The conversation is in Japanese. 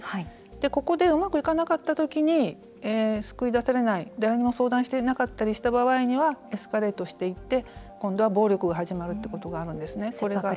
ここでうまくいかなかった時に救い出せれない誰にも相談していなかった場合にエスカレートしていって今度は暴力が始まるということがあります。